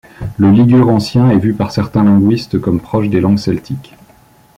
Le ligure ancien † est vu par certains linguistes comme proche des langues celtiques.